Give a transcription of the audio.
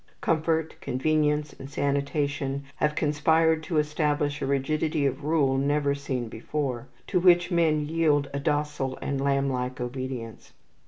Comfort, convenience, and sanitation have conspired to establish a rigidity of rule never seen before, to which men yield a docile and lamblike obedience.